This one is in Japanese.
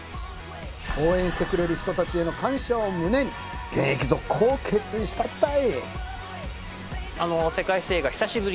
応援してくれる人たちへの感謝を胸に現役続行を決意したったい